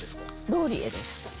ローリエです。